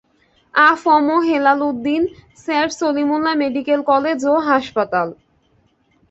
আ F M Helal Uddin, sir Salimullah medical college ও হাসপাতাল